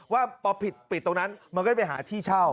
ว่าปลอบผิดปิดตรงนั้นมันก็จะไปหาที่เช่า